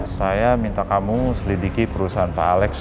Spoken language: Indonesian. saya minta kamu selidiki perusahaan pak alex